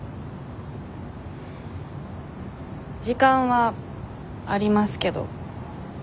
時間はありますけど。